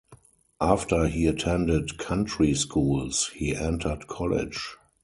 After he attended country schools, he entered college.